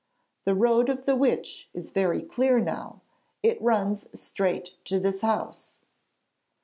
'The road of the witch is very clear now; it runs straight to this house.'